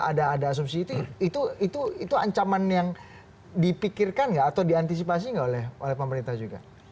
ada asumsi itu ancaman yang dipikirkan nggak atau diantisipasi nggak oleh pemerintah juga